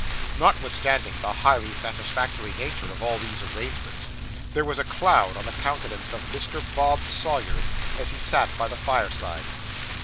Notwithstanding the highly satisfactory nature of all these arrangements, there was a cloud on the countenance of Mr. Bob Sawyer, as he sat by the fireside.